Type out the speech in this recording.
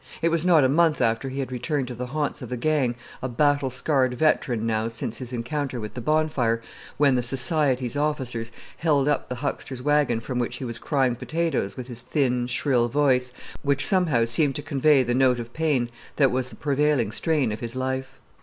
It was not a month after he had returned to the haunts of the gang, a battle scarred veteran now since his encounter with the bonfire, when "the Society's" officers held up the huckster's wagon from which he was crying potatoes with his thin, shrill voice, which somehow seemed to convey the note of pain that was the prevailing strain of his life.